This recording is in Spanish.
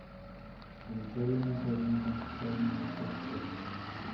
El imperio no tardó en conquistar nuevos territorios.